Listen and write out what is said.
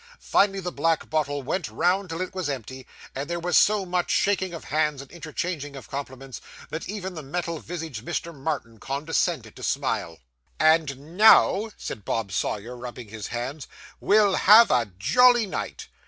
Finally, the black bottle went round till it was empty, and there was so much shaking of hands and interchanging of compliments, that even the metal visaged Mr. Martin condescended to smile. 'And now,' said Bob Sawyer, rubbing his hands, 'we'll have a jolly night.